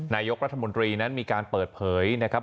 นายกรัฐมนตรีนั้นมีการเปิดเผยนะครับ